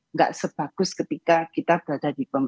nggak sebagus ketika kita berada di